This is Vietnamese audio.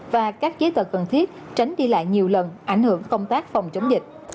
và các chế tật cần thiết tránh đi lại nhiều lần ảnh hưởng công tác phòng chống dịch